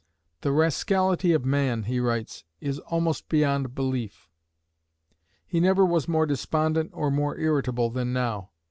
"The rascality of man," he writes, "is almost beyond belief." He never was more despondent or more irritable than now.